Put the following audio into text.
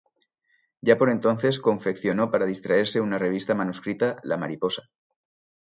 Ya por entonces confeccionó para distraerse una revista manuscrita, "La Mariposa".